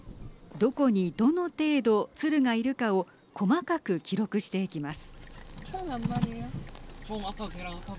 どこにどの程度、鶴がいるかを細かく記録していきます。